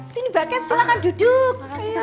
sini mbak ken silahkan duduk